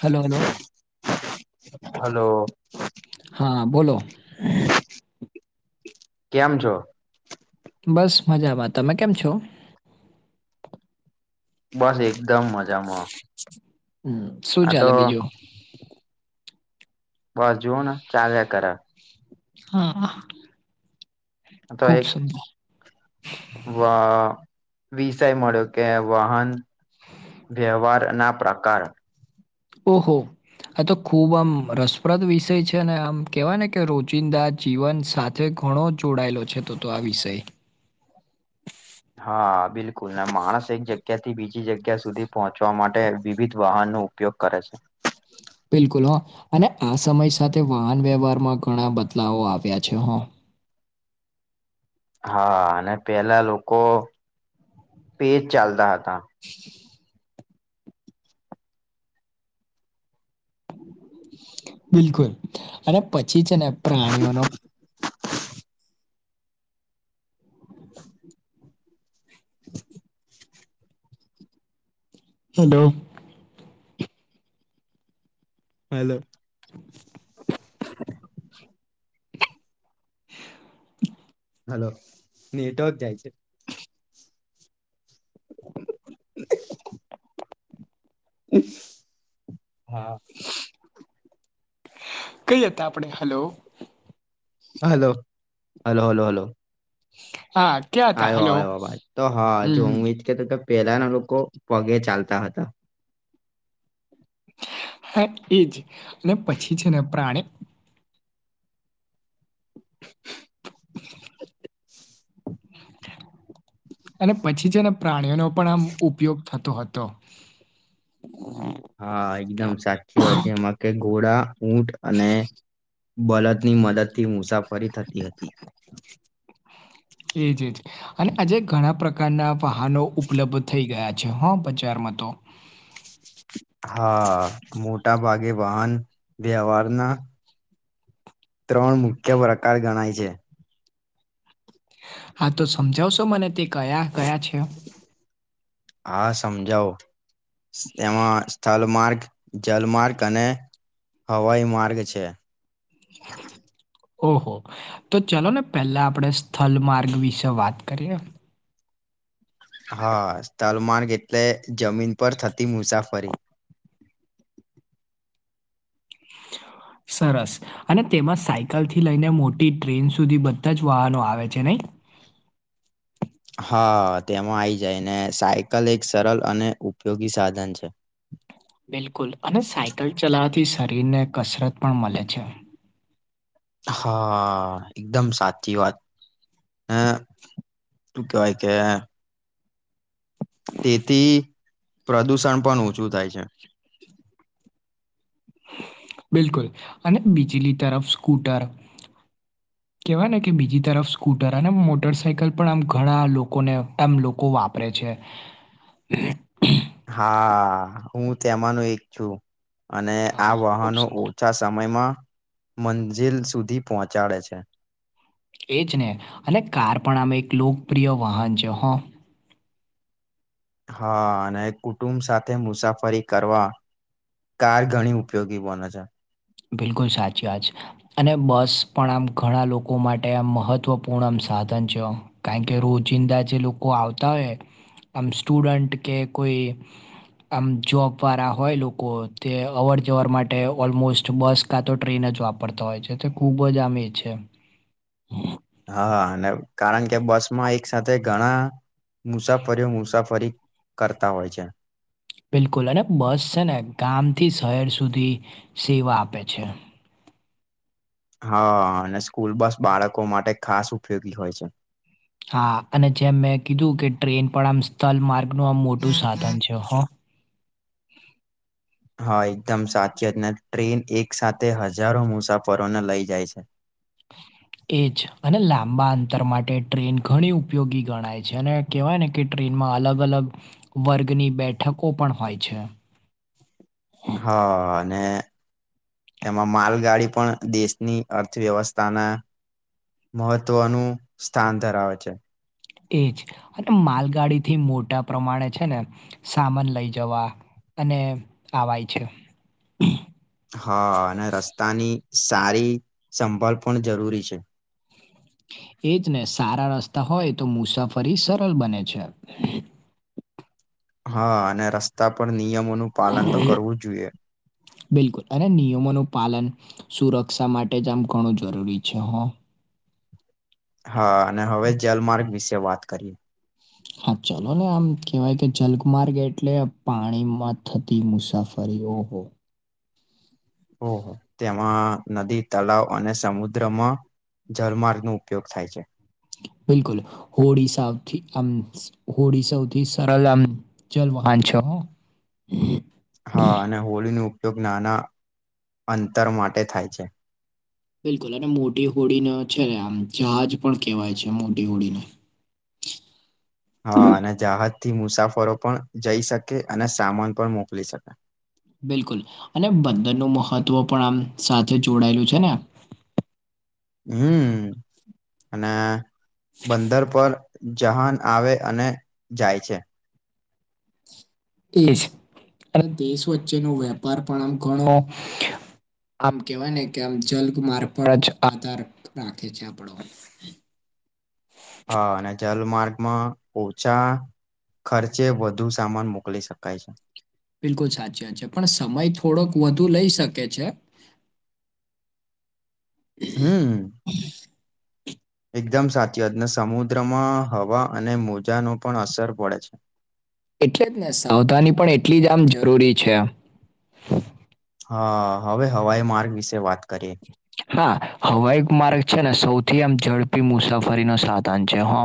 Hello hello hello હા બોલો કેમ છો બસ મજામાં તમે કેમ છો બસ એકદમ મજામાં હ શું આ તો ચાલે બીજું બસ જોવાને ચાલ્યા કરે હા ખુબ સુંદર વાહ વિષય મળ્યો કે વાહન વ્યવહાર ના પ્રકાર ઓહો આ તો ખુબ આમ રસપ્રદ વિષય છે અનેને આમ કેહેવાય ને કે રોજિંદા જીવન જે ઘણો જોડાયેલો છે તો તો આ વિષય હા બિલકુલ અને માણસ એક જગ્યા થી બીજી જગ્યા સુધી પહોંચવા માટે વિવિધ વાહનો ઉપયોગ કરે છે. બિલકુલ હ અને આ સમય સાથે વાહન વ્યવહારમાં ઘણા બદલાવો આવ્યા છે. હા અને પેલા લોકો પેજ ચાલતા હતા બિલકુલ અને પછી છે ને પ્રાણીઓનો [inaudible] [inaudible] હલો હલો. [inaudible] [inaudible] હલો. નેટવર્ક જાય છે. [inaudible] હા. કંઈ હતા આપણે? Hello. Hello, hello, hello, hello. હા. ક્યાં હતા આયો હલો આવ્યો અવાજ. તો હા હમ જો હમ હું ઈ જ કહેતો તો કે પહેલાના લોકો પગે ચાલતા હતા. હા એજ. અને પછી છે ને પ્રાણી [inaudible] અને પછી છે ને પ્રાણીઓનો પણ આમ ઉપયોગ થતો હતો. હા એકદમ સાચી [unintelligible] એમાં કે ઘોડા, ઊંટ અને બલદ ની મદદ થી મુસાફરી થતી હતી. એજ-એજ. અને આજે ઘણા પ્રક પ્રકારના વાહનો ઉપલબ્ધ થઈ ગયા છે હ બજારમાં તો. હા. મોટા ભાગે વાહન વ્યવહારના ત્રણ મુખ્ય પ્રકાર ગણાય છે. હા તો સમજાવશો મને? તે કયા-કયા છે? હા સમજાવો. એમાં સ્થલ માર્ગ જલમાર્ગ અને હવાઈ માર્ગ છે. [inaudible] ઓહો! તો ચલો ને પહેલા આપણે સ્થલ માર્ગ વિશે વાત કરી ના. હા. સ્થલમાર્ગ એટલે જમીન પર થતી મુસાફરી. [inaudible] સરસ. અને તેમાં સાયકલ થી લઈને મોટી ટ્રેન સુધી બધા જ વાહનો આવે છે નહીં? હા. તેમાં આઈ જાય. ને સાયકલ એક સરલ અને ઉપયોગી સાધન છે. [inaudible] બિલકુલ. અને સાયકલ ચલાવથી શરીર ને કસરત પણ મલે છે. હા. એકદમ સાચી વાત. [unintelligible] ટૂ કહેવાય કે તેથી પ્રદુષણ પણ ઓછું થાય છે. બિલકુલ. અને બીજલી તરફ સ્કૂટર [inaudible] કહેવાય ને કે બીજી તરફ સ્કૂટર, અને મોટર સાઇકલ પણ આમ ઘણા લોકોને આમ લોકો વાપ પરે છે. [inaudible] હા. હું તેમાંનો એક છું. અને આ હા, ખૂબ વાહનો સુંદર. ઓછ છા સમયમાં મંજિલ સુધી પહોંચાડે છે. એજ ને. અને કાર પણ આમે એક લોકપ્રિય વાહન છે હ. હા. અને કુટુંબ સાથે મુસાફરી કરવા કાર ઘણી ઉપયોગી બને છે. બિલકુલ સાચી [unintelligible] અને બસ પણ આમ ઘણા લોકો માટે આ મહત્ત્વપૂર્ણ આમ સાધન ચ. કારણ કે રોજિંદા જે લોકો આવતા હોય આમ સ્ટુડન્ટ કે કોઈ આમ જોબ વાળા હોય લોકો તે અવર જવર માટે ઓલમોસ્ટ બસ કા તો ટ્રેન જ વાપરતા હોય છે, તે ખુબ જ આમ એ છે. હા અને કારણ કે બસમાં એક સાથે ઘણા મુસાફરીઓ મુસાફરી કરતા હોય છે. બિલકુલ અને બસ છે, ને ગામથી શહેર સુધી સેવા આપે છે. હ અને સ્કૂલ બસ બાળકો માટે ખાસ ઉપયોગી હોય છે. હા અને જેમ મેં કીધું કે ટ્રેન પણ આમ સ્થળ માર્ગ ન આમ મોટું સાધન છે. હ હ એકદમ સાચી ને ટ્રેન એક સાથે હજારો મુસાફરોને લઇ જાય છે. એ જ અને લાંબા અંતર માટે ટ્રેન ઘણી ઉપયોગી ગણાય છે, અને કેહેવાય ને કે ટ્રેનમાં અલગ અલગ વર્ગની બેઠકો પણ હોય છે. હ ને તેમાં માલગાડી પણ દેશની અર્થવ્યવસ્થાના મહત્વનું સ્થાન ધરાવે છે. એ જ અને માલગાડીથી મોટા પ્રમાણે છે, ને સામાન લઈ જવા અને આવાય છે. હ અને રસ્તાની સારી સંભાળ પણ જરૂરી છે. એ જ ને સારા રસ્તા હોય તો મુસાફરી સરળ બને છે. હ અને રસ્તા પર નિયમોનું પાલન તો કરવું જ જોઈએ. બિલકુલ અને નિયમોનું પાલન સુરક્ષા માટે જ આમ ઘણું જરૂરી છે, હો હા અને હવે જલમાર્ગ વિશે વાત કરીએ. [inaudible] હા ચલો ને આમ કેહેવાય કે જલગમાર્ગ એટલે પાણીમાં થતી મુસાફરી ઓહ હો ઓહ તેમાં નદી, તળાવ અને સમુદ્રમાં જલમાર્ગનો ઉપયોગ થાય છે. બિલકુલ હોળી સૌથી આમ હોળી સૌથી સરળ આમ જલ વાહન છેહ [inaudible] હ અને હોળીનો ઉપયોગ નાના અંતર માટે થાય છે. બિલકુલ અને મોટી હોડી ન છે, ને આમ જહાજ પણ કહેવાય છે, મોટી હોડીને હ અને જહાજથી મુસાફરો પણ જઈ શકે અને સામાન પણ મોકલી શકે. બિલકુલ અને બંધનનું મહત્વ પણ આમ સાથે જોડાયેલું છે, ને હમ અને બંદર પર જહાન આવે અને જાય છે. એજ અને દેશ વચ્ચેનો વેપાર પણ આમ ઘણો આમ કેવાય ને કે આમ જલ માર્ગ પણ જ આધાર રાખે છે, આપણો હ અને જલમાર્ગમાં ઓછા ખર્ચે વધુ સામાન મોકલી શકાય છે. બિલકુલ સાચી વાત છે, પણ સમય થોડોક વધુ લઈ શકે છે. હમ. હમ, એકદમ સાચી વાત ને સમુદ્રમાં હવા અને મોજાનો પણ અસર પડે છે. એટલે જ ને સાવધાની પણ એટલી જ આમ જરૂરી છે. હ હવે હવાઈ માર્ગ વિશે વાત કરીએ. હા હવાઈ માર્ગ છે ને સૌથી આમ ઝડપી મુસાફરી નો સાધન છે હો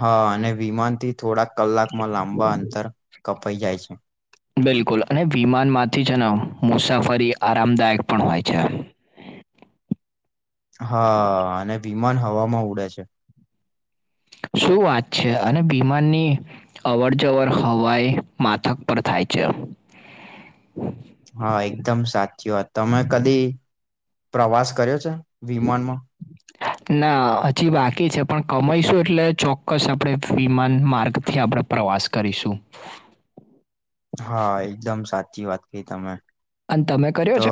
હા અને વિમાન થી થોડાક કલાકમાં લાંબા અંતર કપાઈ જાય છે. બિલકુલ અને વિમાનમાંથી છે ને અમુક મુસાફરી આરામદાયક પણ હોય છે. હા અને વિમાન હવામાં ઉડે છે. શું વાત છે અને વિમાનની અવર જવર હવાઈ માથક પર થાય છે. [inaudible] હા એકદમ સાચી વાત તમે કદી પ્રવાસ કર્યો છે વિમાનમાં [inaudible] ના હજી બાકી છે પણ કમાઈ શું એટલે ચોક્કસ આપણે વિમાન માર્ગથી આપણે પ્રવાસ કરીશું હા એકદમ સાચી વાત કી તમે અને તમે કર્યો તો છે.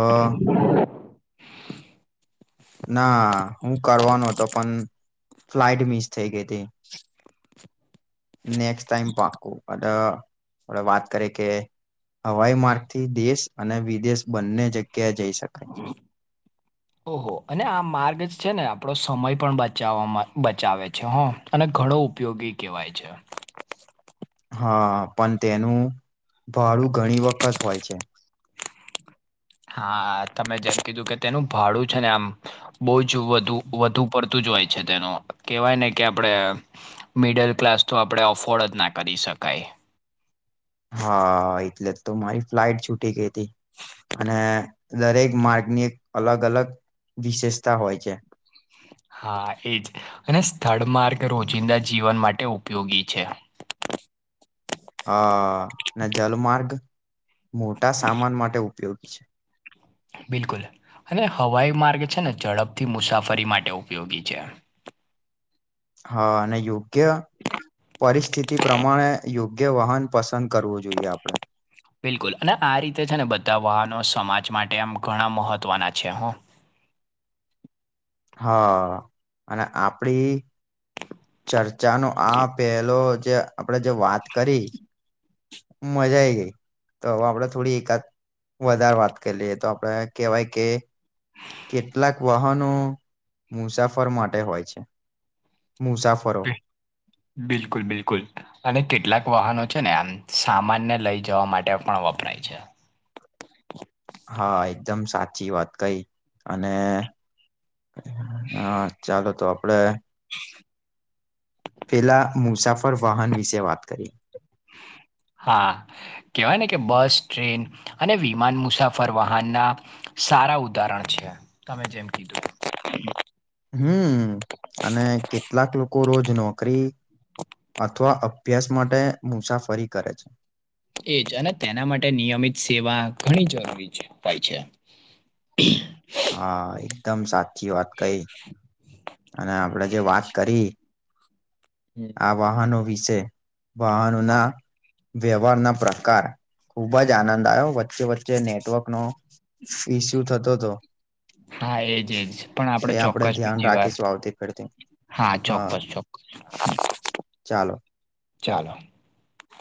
ના હું કરવાનો હતો પણ ફ્લાઈટ મિસ થઈ ગઈ હતી નેક્સ્ટ ટાઈમ પાકું અઢ વાત કરી કે હવાઈ હા. માર્ગ થી દેશ અને વિદેશ બંને જગ્યાએ જઈ શકે હ ઓહો અને આ માર્ગ છે ને આપણો સમય પણ બચાવવામાં બચાવે છે હ અને ઘણો ઉપયોગી કહેવાય છે. હા પણ તેનું ભાડું ઘણી વખત હોય છે. હા તમે જેમ કીધું કે તેનું ભાડું છે ને આમ બહુ જ વધુ વધુ પડતું તું જ હોય છે તેનો કેહેવાય ને કે આપણે મિડલ ક્લાસ તો આપણે અફોર્ડ જ ના કરી શકાય હા એટલે જ તો મારી ફ્લાઇટ છૂટી ગઈ હતી અને દરેક માર્ગની એક અલગ અલગ વિશેષતા હોય છે. હા એજ અને સ્થળ માર્ગ રોજિંદા જીવન માટે ઉપયોગી છે. હ જલમાર્ગ મોટા સામાન માટે ઉપયોગી છે. બિલકુલ અને હવાઈ માર્ગ છે ને ઝડપથી મુસાફરી માટે ઉપયોગી છે. હા અને યોગ્ય પરિસ્થિતિ પ્રમાણે યોગ્ય વાહન પસંદ કરવું જોઈએ આપડણે બિલકુલ અને આ રીતે છે ને બધા વાહનો સમાજ માટે આમ ઘણા મહત્ત્વના છે હું હા અને આપડી ચર્ચા ન આ પેલો જે આપડે જે વાત કરી મજા આઈ ગઈ તો હવે આપડે થોડી એકાદ વધારે વાત કરી લએ તો આપડે કેહેવાય કે કેટલાક વાહનો મુસાફર માટે હોય છે. મુસાફરો બિ- બિલકુલ બિલકુલ અને કેટલાક વાહનો છે ને આમ સામાનને લઈ જવા માટે પણ વપરાય છે. હા એકદમ સાચી વાત કઈ અને હા ચાલો તો આપડે [inaudible] પેલા મુસાફર વાહન વિશે વાત કરી હા કહેવાય ને કે બસ ટ્રેન અને વિમાન મુસાફર વાહનના સારા ઉદાહરણ છે તમે જેમ કીધું હમ અને કેટલાક લોકો રોજ નોકરી. અથવા અભ્યાસ માટે મુસાફરી કરે છે. એજ અને તેના માટે નિયમિત સેવા ઘણી જરૂરી હોય છે. હુ. હા એકદમ સાચી વાત કઈ. અને આપણેે જે વાત કરી. હમ. આ વાહનો વિશે વાહનો હા ના વ્યવહારના પ્રકાર ખૂબ જ આનંદ આવ્યો વચ્ચે વચ્ચે નેટવર્કનો વિસુ થતો હતો હા એજ એજ પણ આપડ એ આપડે ચોક્કસ ધ્યાન બીજી વાર. રાખીશું આવતી ફેરથી હા ચોક્કસ ચોક્કસ ચાલો ચાલો